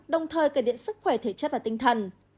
đồng thời kể điện sức khỏe thể chất và tinh thần